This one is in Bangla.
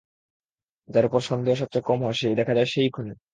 যার ওপর সন্দেহ সবচেয়ে কম হয়-দেখা যায় সে-ই খুনী।